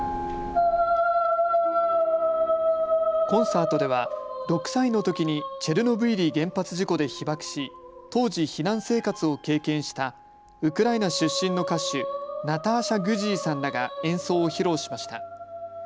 コンサートでは６歳のときにチェルノブイリ原発事故で被ばくし当時、避難生活を経験したウクライナ出身の歌手、ナターシャ・グジーさんらが演奏を披露しました。